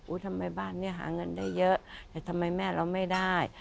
ทำไมบ้านนี้หาเงินได้เยอะแต่ทำไมแม่เราไม่ได้